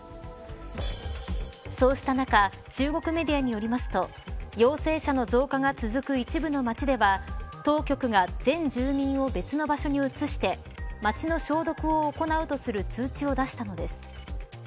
そうした中中国メディアによりますと陽性者の増加が続く一部の街では当局が全住民を別の場所に移して街の消毒を行うとする通知を出したのです。